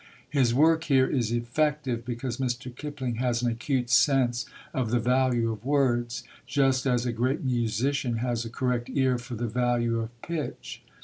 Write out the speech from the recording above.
His work here is effective, because Mr. Kipling has an acute sense of the value of words, just as a great musician has a correct ear for the value of pitch.